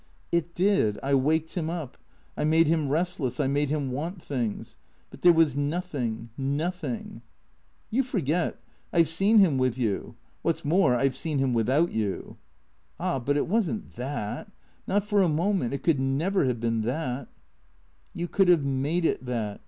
" It did. I waked him up. I made him restless, I made him want things. But there was nothing — nothing "" You forget. I 've seen him with you. Wliat 's more, I 've seen him without you." " Ah, but it was n't that. Not for a moment. It could never have been thatJ' "You could have made it that.